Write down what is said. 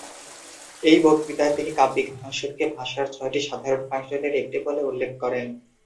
এই বক্তৃতায় তিনি কাব্যিক ফাংশন কে ভাষার ছয়টি সাধারণ ফাংশন এর একটি বলে উল্লেখ করেন।